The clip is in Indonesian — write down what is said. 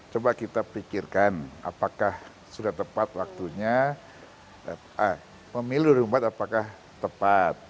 coba kita pikirkan apakah sudah tepat waktunya memilih rumput apakah tepat